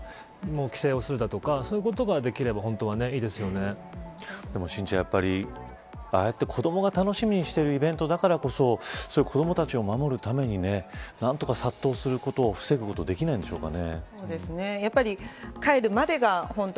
まず、人の流れを作っておくとか規制をするとかそういうことができれば心ちゃん、ああやって子どもが楽しみにしているイベントだからこそ子どもたちを守るために何とか殺到することを防ぐことできないでしょうかね。